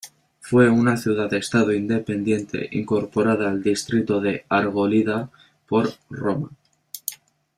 Fue una ciudad-estado independiente, incorporada al distrito de Argólida por Roma.